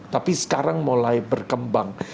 tapi sekarang mulai berkembang